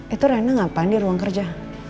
itu rena ngapain di ruang kerja